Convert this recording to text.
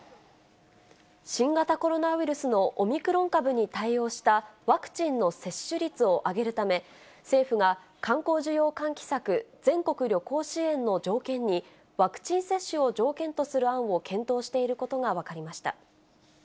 新型コロナウイルスのオミクロン株に対応したワクチンの接種率を上げるため、政府が観光需要喚起策、全国旅行支援の条件に、ワクチン接種を条件とする案を検討していることが分かりました。